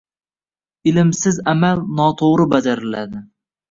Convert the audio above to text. Ilmsiz amal noto‘g‘ri bajariladi.